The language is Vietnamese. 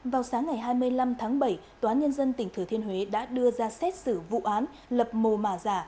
vào sáng ngày hai mươi năm tháng bảy tòa nhân dân tỉnh thừa thiên huế đã đưa ra xét xử vụ án lập mồ mà giả